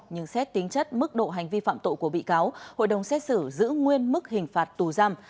nhưng xét tính chất mức độ hành vi phạm tội của bị cáo hội đồng xét xử giữ nguyên mức hình phạt tù giam